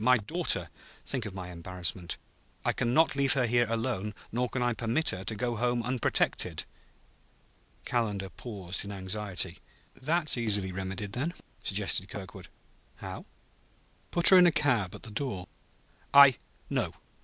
My daughter! Think of my embarrassment; I can not leave her here, alone, nor can I permit her to go home unprotected." Calendar paused in anxiety. "That's easily remedied, then," suggested Kirkwood. "How?" "Put her in a cab at the door." "I ... No.